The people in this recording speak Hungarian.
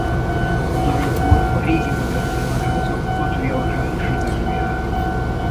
A darabból a régi magyar udvarházak patriarchális levegője árad.